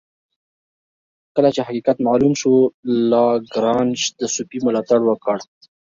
کله چې حقیقت معلوم شو لاګرانژ د صوفي ملاتړ وکړ.